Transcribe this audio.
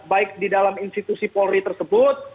baik di dalam institusi polri tersebut